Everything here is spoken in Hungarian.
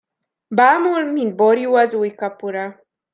Bámul, mint borjú az új kapura.